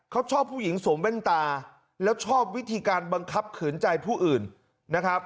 เขาชอบผู้หญิงสวมแว่นตาแล้วชอบวิธีการบังคับขืนใจผู้อื่นนะครับ